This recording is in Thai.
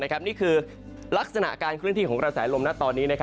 นี่คือลักษณะการเคลื่อนที่ของกระแสลมณตอนนี้